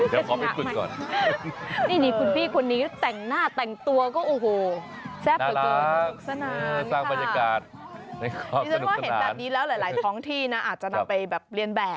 เด็กก็ไปยืนดู